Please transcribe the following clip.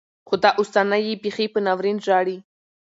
خو دا اوسنۍيې بيخي په ناورين ژاړي.